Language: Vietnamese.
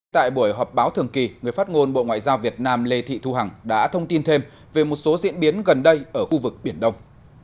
tại buổi họp báo thường kỳ người phát ngôn bộ ngoại giao việt nam lê thị thu hằng đã thông tin thêm về một số diễn biến gần đây ở khu vực biển đông